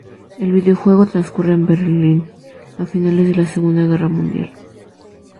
El videojuego transcurre en Berlín, a finales de la segunda guerra mundial.